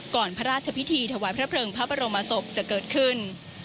พระราชพิธีถวายพระเพลิงพระบรมศพจะเกิดขึ้น